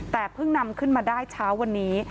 แต่เพิ่งนำขึ้นมาได้เช้าวันนี้